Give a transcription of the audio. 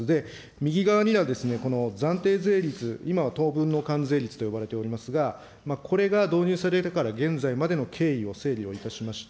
右側には暫定税率、今はとうぶんの関税率といわれておりますが、これが導入されてから現在までの経緯を整理をいたしました。